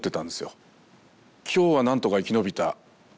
今日は何とか生き延びた。